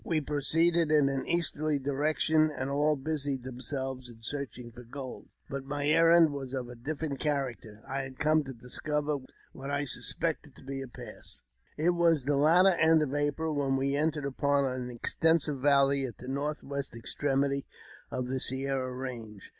We proceeded in an easterly direction, ancl all busied themselves in searching for gold ; but my errand was of a different character ; I had come / to discover what I suspected to be a pass, c^ /\ It was the latter end of April when we entered upon an ex tensive valley at the northwest extremity of the Sierra range.